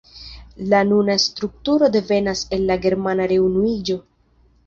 La nuna strukturo devenas el la germana reunuiĝo.